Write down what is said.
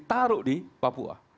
yang ditaruh di papua